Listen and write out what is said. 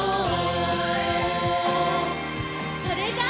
それじゃあ。